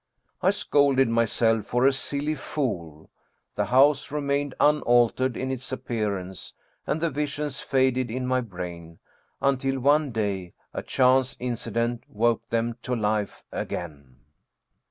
I scolded myself for a silly fool ; the house remained unaltered in its appearance, and the visions faded in my brain, until one day a chance incident woke them to life again.